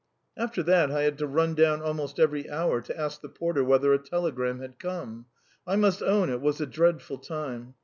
After that I had to run down almost every hour to ask the porter whether a telegram had come. I must own it was a dreadful time!